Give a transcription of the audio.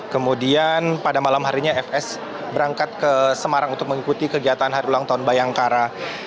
kemudian pada malam harinya fs berangkat ke semarang untuk mengikuti kegiatan hari ulang tahun bayangkara